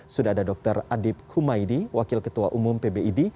sudah ada dr adib humaydi wakil ketua umum pbid